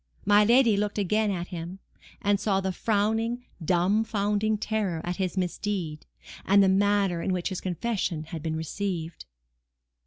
My lady looked again at him, and saw the frowning, dumb foundering terror at his misdeed, and the manner in which his confession had been received.